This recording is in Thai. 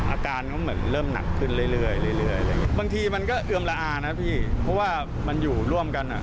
อาการก็เหมือนเริ่มหนักขึ้นเรื่อยเรื่อยบางทีมันก็เอือมละอานะพี่เพราะว่ามันอยู่ร่วมกันอ่ะ